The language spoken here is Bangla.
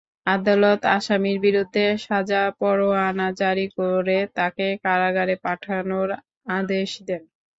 আদালত আসামির বিরুদ্ধে সাজা পরোয়ানা জারি করে তাঁকে কারাগারে পাঠানোর আদেশ দেন।